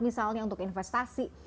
misalnya untuk investasi